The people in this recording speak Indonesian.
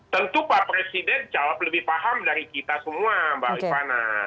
tentu pak presiden jawab lebih paham dari kita semua mbak rifana